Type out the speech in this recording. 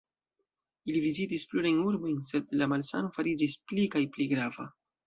Ili vizitis plurajn urbojn, sed la malsano fariĝis pli kaj pli grava.